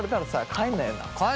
帰んないよ！